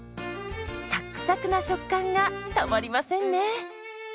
サックサクな食感がたまりませんね。